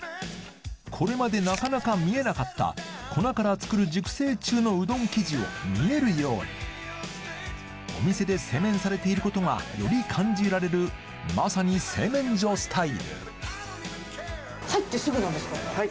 これまでなかなか見えなかった粉から作る熟成中のうどん生地を見えるようにお店で製麺されていることがより感じられるまさに製麺所スタイル入ってすぐなんですか？